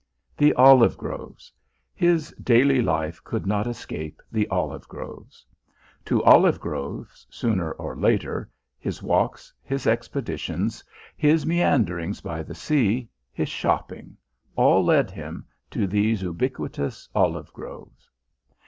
The olive groves! His daily life could not escape the olive groves; to olive groves, sooner or later, his walks, his expeditions, his meanderings by the sea, his shopping all led him to these ubiquitous olive groves.